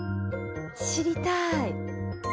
知りたい！